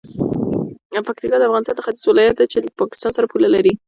پکتیکا د افغانستان د ختیځ ولایت دی چې له پاکستان سره پوله لري.